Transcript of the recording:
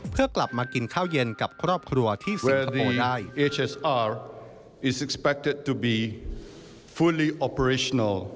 เพื่อกลับมากินข้าวเย็นกับครอบครัวที่เฟิร์น